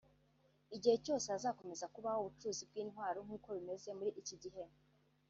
Igihe cyose hazakomeza kubaho ubucuruzi bw’intwaro nk’uko bimeze muri iki gihe